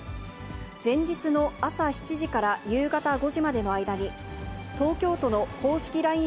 前日の朝７時から夕方５時までの間に、東京都の公式ＬＩＮＥ